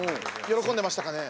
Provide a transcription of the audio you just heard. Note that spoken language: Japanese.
喜んでましたかね？